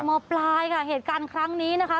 หมอปลายค่ะเหตุการณ์ครั้งนี้นะคะ